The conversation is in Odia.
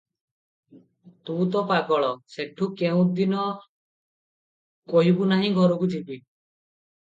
ତୁ ତ ପାଗଳ, ସେଠୁ କେଉଁ ଦିନ କହିବୁ ନାଇଁ ଘରକୁ ଯିବି ।"